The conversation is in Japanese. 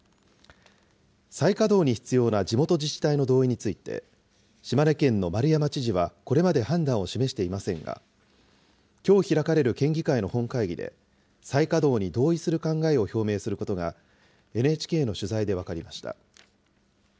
再稼働に必要な地元自治体の同意について、島根県の丸山知事はこれまで判断を示していませんが、きょう開かれる県議会の本会議で、再稼働に同意する考えを表明することが、ＮＨＫの取材で分かりました。